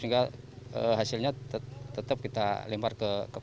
sehingga hasilnya tetap kita lempar ke kepala